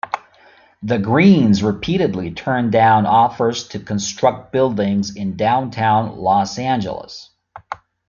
The Greenes repeatedly turned down offers to construct buildings in downtown Los Angeles.